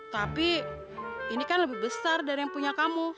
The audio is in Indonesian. tapi ini kan lebih besar dari yang punya kamu